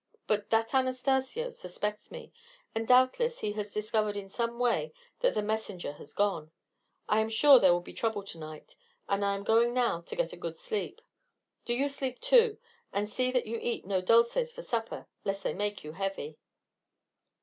But that Anastacio suspects me, and doubtless he has discovered in some way that the messenger has gone. I am sure there will be trouble to night, and I am going now to get a good sleep. Do you sleep, too; and see that you eat no dulces for supper, lest they make you heavy."